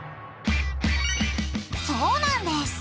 そうなんです！